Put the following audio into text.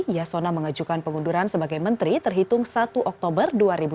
yasona mengajukan pengunduran sebagai menteri terhitung satu oktober dua ribu sembilan belas